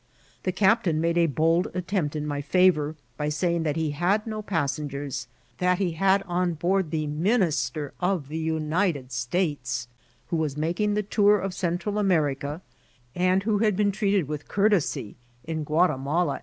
The captain made a bold attempt in my &^ vour by saying that he had no passengers ; that he had on board the Minister of the United States, who was making the tour of Central America, and who had been treated with courtesy in Ghutimala